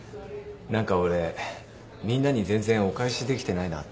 何か俺みんなに全然お返しできてないなって。